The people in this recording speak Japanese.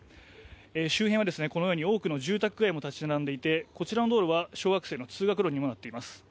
周辺はこのように大きな住宅が建ち並んでいて、こちらの道路は小学生の通学路にもなっています。